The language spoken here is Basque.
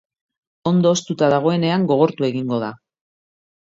Ondo hoztuta dagoenean gogortu egingo da.